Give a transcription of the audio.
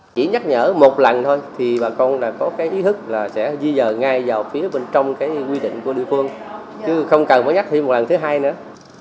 chỉ nhắc nhở một lần thôi thì bà con có cái ý thức là sẽ di dời ngay vào phía bên trong cái quy định của địa phương chứ không cần phải nhắc thêm một lần thứ hai nữa